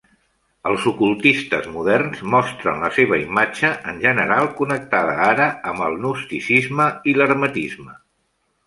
Els ocultistes moderns mostren la seva imatge, en general connectada ara amb el gnosticisme i l'hermetisme.